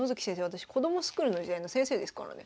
私子どもスクールの時代の先生ですからね。